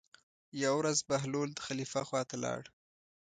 یوه ورځ بهلول د خلیفه خواته لاړ.